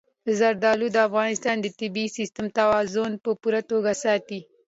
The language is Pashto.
زردالو د افغانستان د طبعي سیسټم توازن په پوره توګه ساتي.